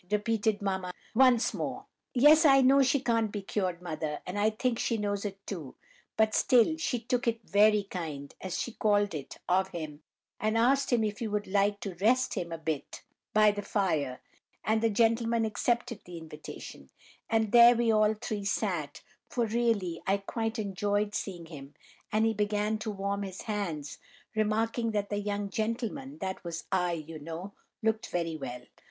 repeated mamma once more. "Yes, I know she can't be cured, mother, and I think she knows it too; but still she 'took it very kind,' as she called it, of him, and asked him if he would like to 'rest him' a bit by the fire, and the gentleman accepted the invitation; and there we all three sat, for really I quite enjoyed seeing him, and he began to warm his hands, remarking that the young gentleman—that was I, you know—looked very well.